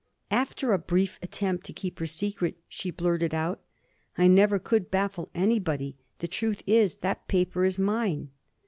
After a brief attempt to keep her secret, she blurted out, "I never could baffle anybody. The truth is, that paper is mine."